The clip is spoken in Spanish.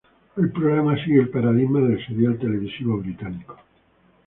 El programa sigue el paradigma del serial televisivo británico.